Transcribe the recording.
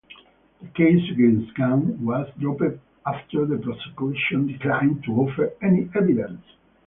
The case against Gun was dropped after the prosecution declined to offer any evidence.